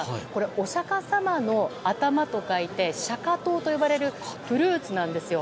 お釈迦様の頭と書いて釈迦頭と呼ばれるフルーツなんですよ。